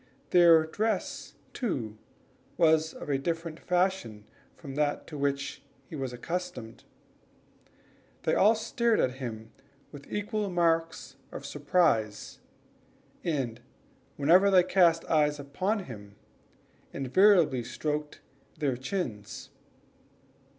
Their dress, too, was of a different fashion from that to which he was accustomed. They all stared at him with equal marks of surprise, and whenever they cast their eyes upon him, invariably stroked their chins.